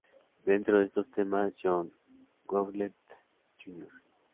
Dentro de esos temas, John Howlett, Jr.